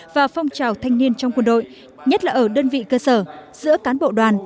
và phong trào thanh niên trong quân đội nhất là ở đơn vị cơ sở giữa cán bộ đoàn